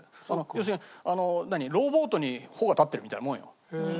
要するにローボートに帆が立ってるみたいなもんよ言うなれば。